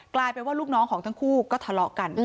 กลายเป็นว่าลูกน้องของทั้งคู่ก็ทะเลาะกัน